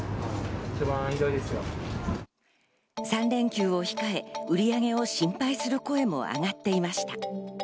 ３連休を控え、売上を心配する声も上がっていました。